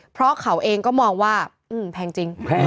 เพราะเขาเองก็มองว่าแพงจริง